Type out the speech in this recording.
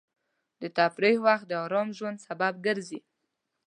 د تفریح وخت د ارام ژوند سبب ګرځي.